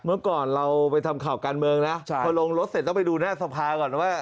เมื่อก่อนเราไปทำข่าวการเมืองนะพอลงรถเสร็จต้องไปดูหน้าสภาก่อนว่า